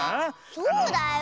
そうだよ。